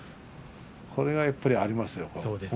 これがやっぱりありますよ。